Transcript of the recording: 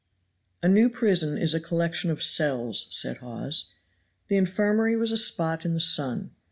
"A new prison is a collection of cells," said Hawes. The infirmary was a spot in the sun.